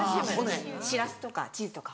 シラスとかチーズとか。